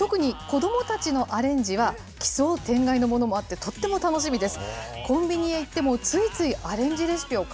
アレンジは、奇想天外のものもあって、とっても楽しみです。